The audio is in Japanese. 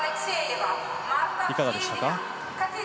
いかがでしたか？